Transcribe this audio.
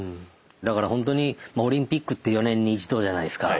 だからほんとにまあオリンピックって４年に一度じゃないですか。